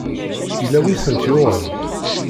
Yella wi tent-yuɣen?